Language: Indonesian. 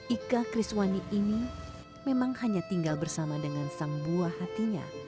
ika kriswani ini memang hanya tinggal bersama dengan sang buah hatinya